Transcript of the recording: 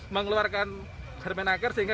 mengeluarkan permenaker sehingga